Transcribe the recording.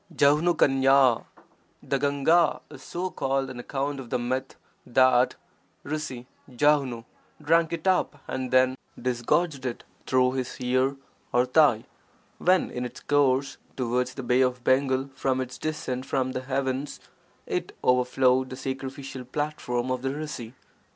[^fich^l — The Gahga is so called on account of the myth that rsi Jahnu drank it up and then disgorged it through his ear or thigh, when in its course towards the Bay of Bengal after its descent from the heavens it overflowed the sacrificial platform of the rsi.